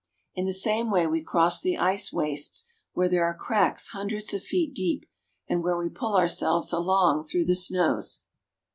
In the same way we cross the ice wastes where there are cracks hundreds of feet deep, and where we pull ourselves along through the snows.